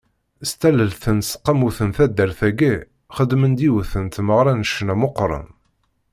S tallelt n teseqqamut n taddar-agi, xedmen-d yiwet n tmeɣra n ccna meqqren.